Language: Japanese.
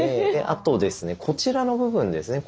あとですねこちらの部分ですね。